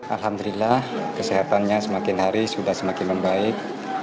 alhamdulillah kesehatannya semakin hari sudah semakin membaik